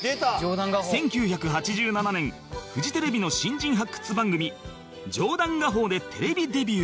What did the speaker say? １９８７年フジテレビの新人発掘番組『冗談画報』でテレビデビュー